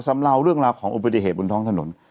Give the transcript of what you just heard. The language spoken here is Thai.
สำเลาเรื่องราวของอุบัติเหตุบนท้องถนน